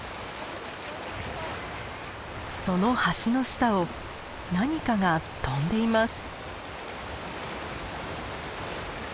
その橋の下を何かが飛んでいます。